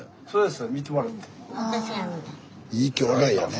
スタジオいいきょうだいやね。